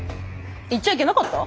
言っちゃいけなかった？